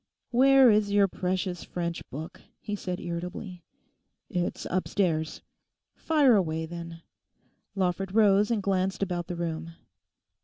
'Where is your precious French book?' he said irritably. 'It's upstairs.' 'Fire away, then!' Lawford rose and glanced about the room.